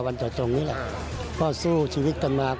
วันต่อตรงนี้แหละเพราะสู้ชีวิตกันมาก